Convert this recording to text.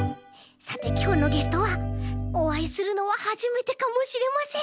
さてきょうのゲストはおあいするのははじめてかもしれません。